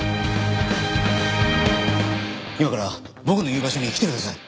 今から僕の言う場所に来てください！